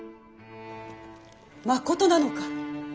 まことなのか？